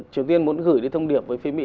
triều tiên muốn gửi đi thông điệp với phía mỹ